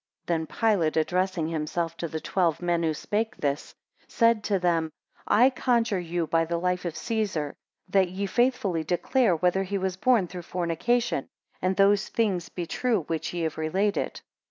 13 Then Pilate addressing himself to the twelve men who spake this, said to them, I conjure you by the life of Caesar, that ye faithfully declare whether he was born through fornication, and those things be true which ye have related.